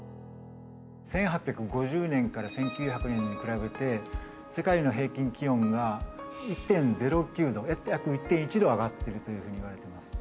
１８５０年から１９００年に比べて世界の平均気温が１．０９℃約１．１℃上がっているというふうにいわれてます。